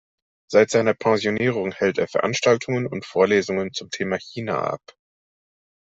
Seit seiner Pensionierung hält er Veranstaltungen und Vorlesungen zum Thema „China“ ab.